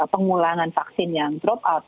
pengulangan vaksin yang drop out